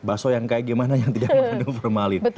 bakso yang kayak gimana yang tidak mengandung formalin